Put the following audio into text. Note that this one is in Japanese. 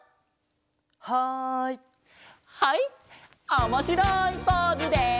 「おもしろいポーズで」